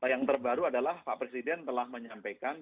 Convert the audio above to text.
yang terbaru adalah pak presiden telah menyampaikan